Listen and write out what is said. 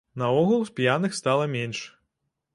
Наогул п'яных стала менш.